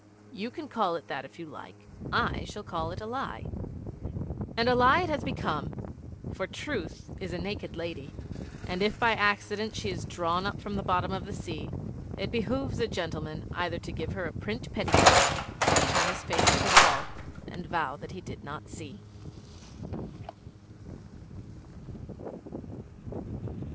'You can call it that if you like. I shall call it a lie.' And a lie it has become; for Truth is a naked lady, and if by accident she is drawn up from the bottom of the sea, it behoves a gentleman either to give her a print petticoat or to turn his face to the wall and vow that he did not see.